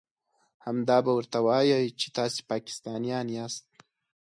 همدا به ورته وايئ چې تاسې پاکستانيان ياست.